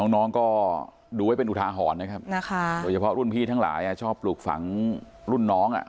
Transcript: น้องก็ดูไว้เป็นอุทาหรณ์นะครับโดยเฉพาะรุ่นพี่ทั้งหลายชอบปลูกฝังรุ่นน้องอ่ะ